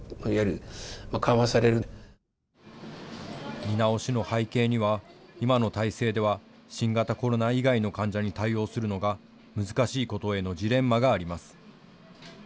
見直しの背景には今の体制では新型コロナ以外の患者に対応するのが難しいことへのジレンマがあります。